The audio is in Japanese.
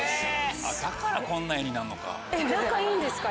だからこんな画になんのか。